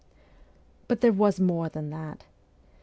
But there was more than that.